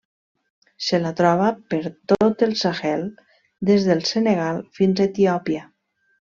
Se la troba per tot el Sahel des del Senegal fins a Etiòpia.